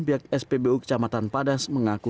pihak spbu kecamatan padas mengaku